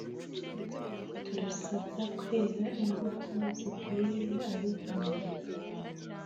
Turasabwa kwera imbuto zikwiriye abihannye